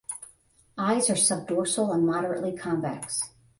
Eyes are subdorsal and moderately convex.